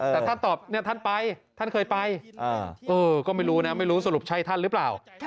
แต่ท่านตอบท่านไปท่านเคยไปก็ไม่รู้นะไม่รู้สรุปใช่ท่านหรือเปล่า